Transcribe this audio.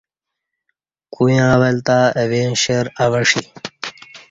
کویاں ول تہ اہ ویں شیر اوہ ݜی